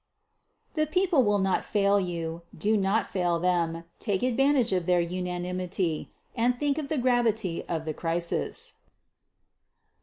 _The people will not fail you; do not fail them. Take advantage of their unanimity, and think of the gravity of the crisis.